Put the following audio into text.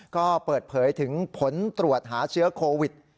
ก็เปิดเผยถึงผลตรวจหาเชื้อโควิด